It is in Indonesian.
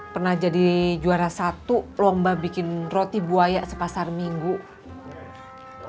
pernah jadi juara satu lomba bikin roti buaya sepasar minggu